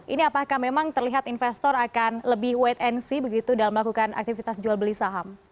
ini apakah memang terlihat investor akan lebih wait and see begitu dalam melakukan aktivitas jual beli saham